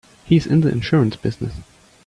He's in the insurance business.